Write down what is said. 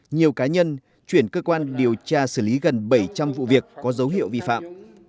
nhiều cá nhân chuyển cơ quan điều tra xử lý gần bảy trăm linh vụ việc có dấu hiệu vi phạm